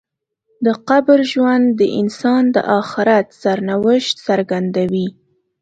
د قبر ژوند د انسان د آخرت سرنوشت څرګندوي.